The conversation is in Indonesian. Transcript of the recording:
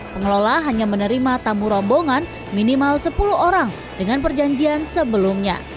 pengelola hanya menerima tamu rombongan minimal sepuluh orang dengan perjanjian sebelumnya